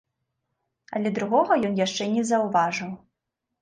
Але другога ён яшчэ не заўважыў.